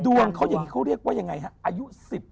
ดวงเขาอย่างนี้เขาเรียกว่ายังไงฮะอายุ๑๐